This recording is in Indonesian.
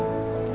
oh udah lari